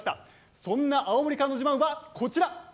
そんな青森からの自慢は、こちら。